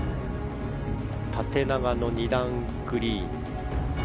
縦長の２段グリーン。